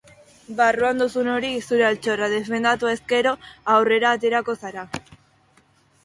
Barruan duzun hori, zure altxorra, defendatu ezkero, aurrera aterako zara.